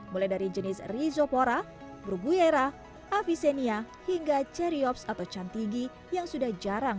mulai dari jenis rizopora bruguera avicenia hingga cedera